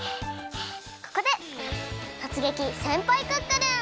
ここで「とつげき！せんぱいクックルン！」。